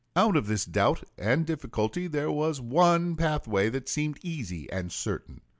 Out of this doubt and difficulty there was one pathway that seemed easy and certain.